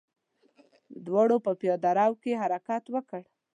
دواړو په پياده رو کې حرکت وکړ.